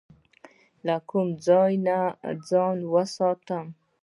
له کوم ځای ځان وساتم؟